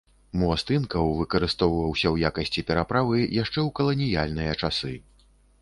Мост інкаў выкарыстоўваўся ў якасці пераправы яшчэ ў каланіяльныя часы.